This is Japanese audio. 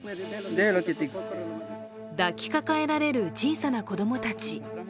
抱きかかえられる小さな子供たち。